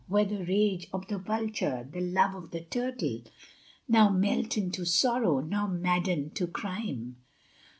Where the rage of the vulture, the love of the turtle, Now melt into sorrow, now madden to crime?